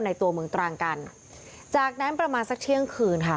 ตัวเมืองตรังกันจากนั้นประมาณสักเที่ยงคืนค่ะ